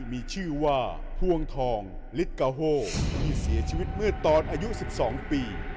มีชื่อว่าภวงทองฎิกาโฮที่เสียชีวิตมืดตอนอายุสิบสองปี